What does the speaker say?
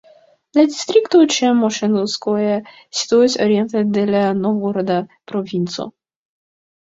La distrikto de Moŝenskoje situas oriente de la Novgoroda provinco.